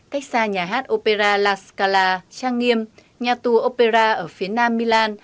cách xa nhà hát opera la scala trang nghiêm nhà tù opera ở phía nam milan